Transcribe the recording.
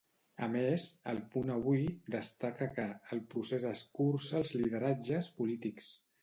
A més, 'El Punt Avui'destaca que "El procés escurça els lideratges polítics".